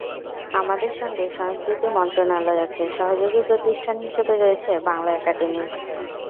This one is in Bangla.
আমাদের সঙ্গে সংস্কৃতি মন্ত্রণালয় আছে, সহযোগী প্রতিষ্ঠান হিসেবে রয়েছে বাংলা একাডেমি।